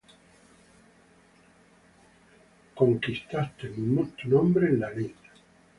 conquistastes tu nombre en la lid;